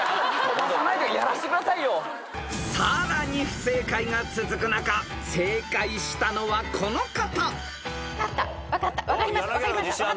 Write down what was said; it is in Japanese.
［さらに不正解が続く中正解したのはこの方］